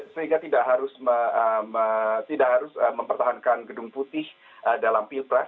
sehingga tidak harus mempertahankan gedung putih dalam pilpres